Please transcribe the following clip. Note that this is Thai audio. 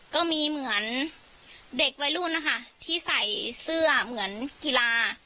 ก็มีเหมือนเด็กวัยรุ่นนะคะที่ใส่เสื้อเหมือนกีฬา